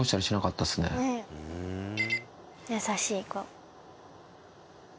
優しい子。